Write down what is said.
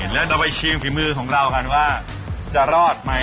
แล้วเราไปชิงฝีมือของเรากันว่าจะรอดไหม